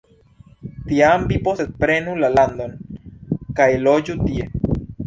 Tiam vi posedprenu la landon, kaj loĝu tie.